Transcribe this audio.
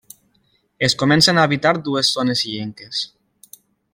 Es comencen a habitar dues zones illenques: